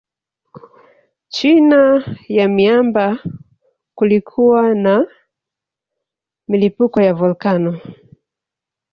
China ya miamba kulikuwa na milipuko ya volkano